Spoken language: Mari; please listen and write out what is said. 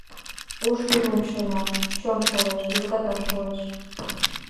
Уш тӱрлым шона, чон шолеш, южгатан шолеш...